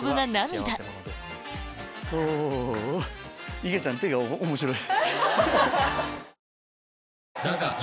いげちゃんの手が面白い。